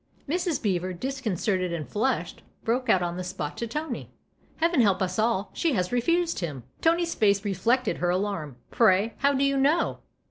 Mrs. Beever, disconcerted and flushed, broke out on the spot to Tony. " Heaven help us all she has refused him !" Tony's face reflected her alarm. " Pray, how do you know